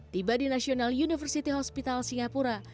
tiba di national university hospital singapura